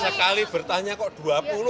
sekali bertanya kok dua puluh